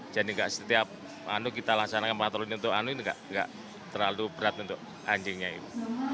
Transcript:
jadi gak setiap anu kita laksanakan patroli untuk anu ini gak terlalu berat untuk anjingnya ibu